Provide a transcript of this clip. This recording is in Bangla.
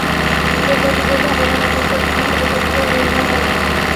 রোববার দুপুরে ভ্রাম্যমাণ আদালত তাঁদের দুই হাজার টাকা করে জরিমানা করেন।